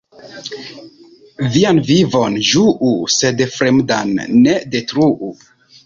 Vian vivon ĝuu, sed fremdan ne detruu.